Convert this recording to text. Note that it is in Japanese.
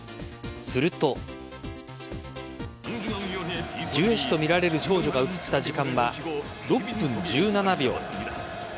するとジュエ氏とみられる少女が映った時間は６分１７秒。